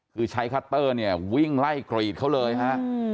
คือใช้คัตเตอร์เนี่ยวิ่งไล่กรีดเขาเลยฮะ